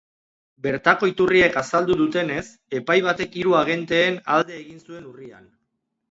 Bertako iturriek azaldu dutenez, epai batek hiru agenteen alde egin zuen urrian.